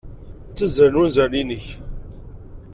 Ttazzalen wanzaren-innek.